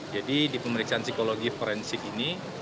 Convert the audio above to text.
jadi di pemeriksaan psikologi forensik ini